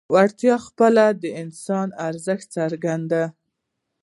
وړتیا خپله د انسان ارزښت څرګندوي.